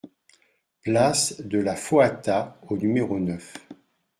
Place de la Foata au numéro neuf